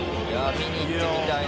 見に行ってみたいな。